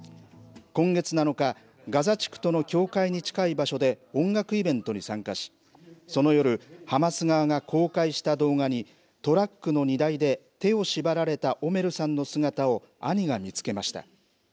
今月７日、ガザ地区との境界に近い場所で、音楽イベントに参加し、その夜、ハマス側が公開した動画に、トラックの荷台で手を縛られたオメルさんの姿を兄が見つけました。